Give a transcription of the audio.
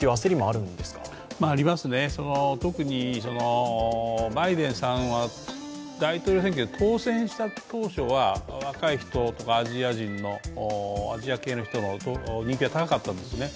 ありますね、特にバイデンさんは大統領選挙で当選した当初は若い人とかアジア系の人の人気が高かったんですね。